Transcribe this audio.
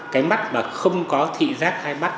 cái mắt mà không có thị giác hai mắt